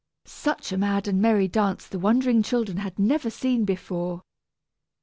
Such a mad and merry dance the wondering children had never seen before!